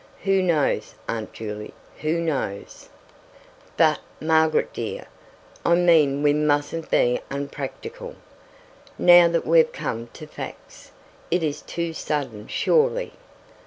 "Who knows, Aunt Juley, who knows?" "But, Margaret dear, I mean we mustn't be unpractical now that we've come to facts. It is too sudden, surely."